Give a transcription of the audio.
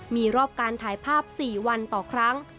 มีรอบการถ่ายภาพ๔วันต่อครั้ง